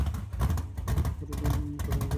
ফেলে দিয়ে হারুকে কাদা মাখিও না যেন।